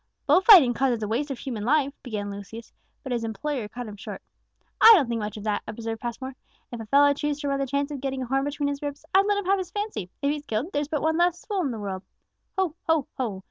"Bull fighting causes a waste of human life," began Lucius; but his employer cut him short. "I don't think much of that," observed Passmore. "If a fellow choose to run the chance of getting a horn between his ribs, I'd let him have his fancy; if he's killed, there's but one fool less in the world. Ho, ho, ho!